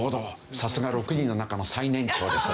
さすが６人の中の最年長ですね。